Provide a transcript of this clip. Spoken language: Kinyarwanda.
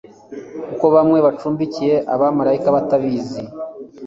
kuko bamwe bacumbikiye abamarayika batabizi